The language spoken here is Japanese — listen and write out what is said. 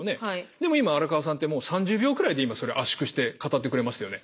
でも今荒川さんってもう３０秒くらいで今それ圧縮して語ってくれましたよね？